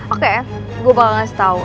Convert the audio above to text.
oke gue bakal kasih tau